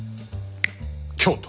京都。